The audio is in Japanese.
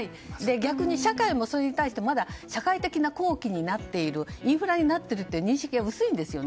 逆に社会も、それに対してまだ社会的な公器になっているインフラになっているという認識が薄いんですよね。